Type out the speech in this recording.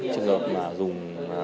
trường hợp mà dùng